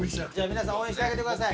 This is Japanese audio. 皆さん応援してあげてください。